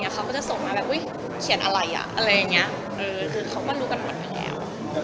เขาก็จะส่งมาแบบอุ๊ยเขียนอะไรอะไรอย่างนี้คือเขาก็รู้กันหมดอยู่แล้ว